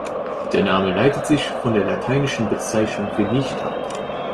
Der Name leitet sich von der lateinischen Bezeichnung für "Licht" ab.